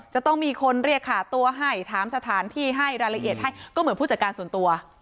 จะต้องมีคนเรียกขาตัวให้ถามสถานที่ให้รายละเอียดให้ก็เหมือนผู้จัดการส่วนตัว